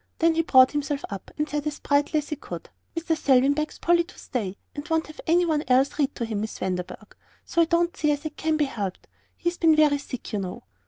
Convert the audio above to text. Then he brought himself up, and said as brightly as he could: "Mr. Selwyn begs Polly to stay, and won't have any one else read to him, Miss Vanderburgh, so I don't see as it can be helped. He's been very sick, you know."